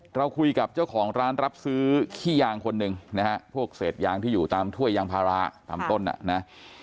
เราคุยกับเจ้าของร้านรับซื้อขี้ยางคนหนึ่งนะฮะพวกเศษยางที่อยู่ตามถ้วยยางพาราตามต้นอ่ะนะ